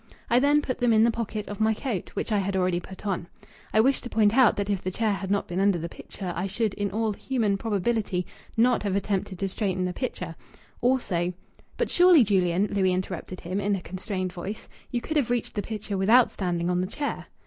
I then put them in the pocket of my coat which I had already put on. I wish to point out that if the chair had not been under the picture I should in all human probability not have attempted to straighten the picture. Also '" "But surely, Julian," Louis interrupted him, in a constrained voice, "you could have reached the picture without standing on the chair?"